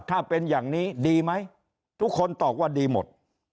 ถ้าเป็นอย่างนี้ดีไหมทุกคนตอบว่าดีหมด